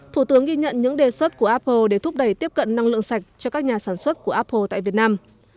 thủ tướng ghi nhận những đề xuất của apple để thúc đẩy tiếp cận năng lượng sạch cho các nhà sản xuất của apple tại việt nam